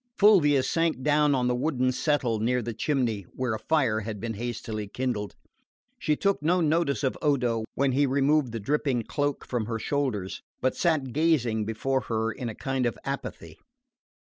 Fulvia sank down on the wooden settle near the chimney, where a fire had been hastily kindled. She took no notice of Odo when he removed the dripping cloak from her shoulders, but sat gazing before her in a kind of apathy.